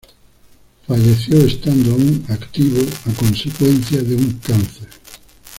Falleció estando aún en activo consecuencia de un cáncer.